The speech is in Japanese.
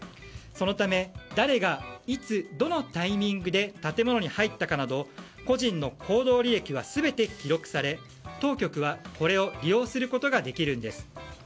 そのため、誰がいつどのタイミングで建物に入ったかなど個人の行動履歴などは全て記録され、当局はこれを利用することができるんです。